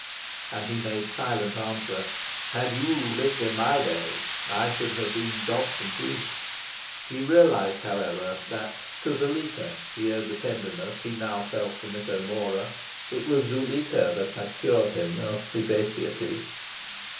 And he made silent answer, "Had you lived in my day, I should have been Dobson proof." He realised, however, that to Zuleika he owed the tenderness he now felt for Miss O'Mora. It was Zuleika that had cured him of his aseity.